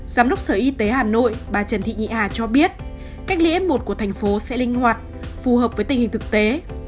giám đốc sở y tế hà nội bà trần thị nhị hà cho biết cách lễ f một của thành phố sẽ linh hoạt phù hợp với tình hình thực tế